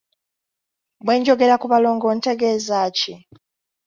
Bwe njogera ku balongo ntegeeza ki?